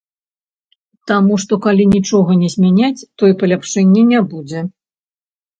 Таму што калі нічога не змяняць, то і паляпшэння не будзе.